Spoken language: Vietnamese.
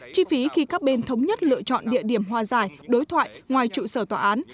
chi phí khi các bên thống nhất lựa chọn địa điểm hòa giải đối thoại ngoài trụ sở tòa án